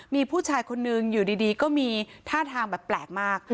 มีผู้ชายคนนึงอยู่ดีก็มีท่าทางแบบแปลกมาก